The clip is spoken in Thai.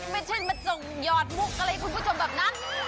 ไม่ใช่มาส่งหยอดมุกอะไรคุณผู้ชมแบบนั้น